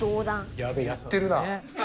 やべえ、やってるな。